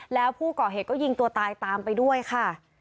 แล้วผู้ก่อเหตุก็ยิงตัวตายตามไปด้วยค่ะ